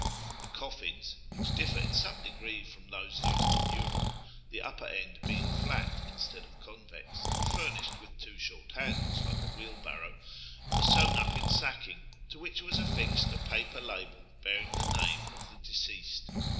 The coffins (which differ in some degree from those used in Europe, the upper end being flat instead of convex, and furnished with two short handles, like a wheelbarrow) were sewn up in sacking, to which was affixed a paper label bearing the name of the 72 A YEAR AMONGST THE PERSIANS deceased.